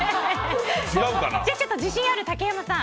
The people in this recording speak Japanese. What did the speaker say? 自信がある竹山さん